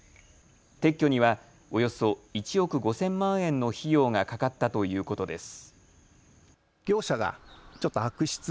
撤去にはおよそ１億５０００万円の費用がかかったということです。